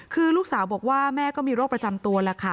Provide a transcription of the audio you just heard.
คือลูกสาวบอกว่าแม่ก็มีโรคประจำตัวแล้วค่ะ